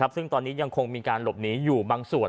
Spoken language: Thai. ซึ่งตอนนี้ยังคงมีการหลบหนีอยู่บางส่วน